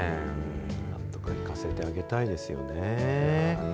なんとか行かせてあげたいですよね。